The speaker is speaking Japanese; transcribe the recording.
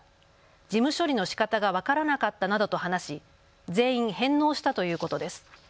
事務処理のしかたが分からなかったなどと話し全員返納したということです。